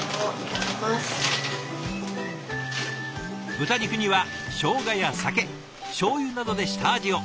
豚肉にはしょうがや酒しょうゆなどで下味を。